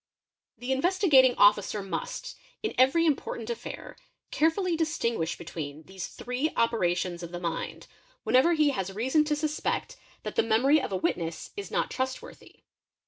The Investigating Officer must, in every important affair, carefully distinguish between these three operations of the mind, whenever he has pe 10 | 74 EXAMINATION OF WITNESSES reason to suspect that the memory of a witness is not trustworthy.